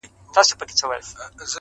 • زه حاصل غواړم له مځکو د باغلیو ,